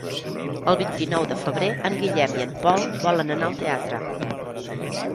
El vint-i-nou de febrer en Guillem i en Pol volen anar al teatre.